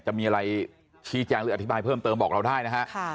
จะมีอะไรชี้แจงหรืออธิบายเพิ่มเติมบอกเราได้นะฮะ